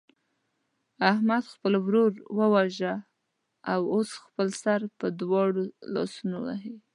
احمد خپل ورور وواژه او اوس خپل سر په دواړو لاسونو وهي.